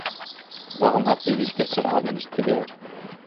Warum hat sie sich gestern Abend nicht gewehrt?